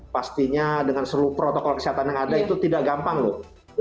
pastinya dengan seluruh protokol kesehatan yang ada itu tidak gampang loh